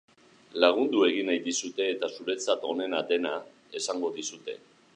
Lagundu egin nahi dizute eta zuretzat onena dena esango dizute.